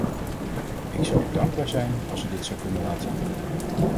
Ik zou u dankbaar zijn als u dit zou kunnen laten doen!